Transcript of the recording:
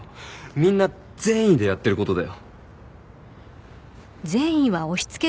みんな善意でやってることだよ。